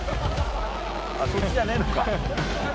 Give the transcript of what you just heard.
あっそっちじゃねえのか。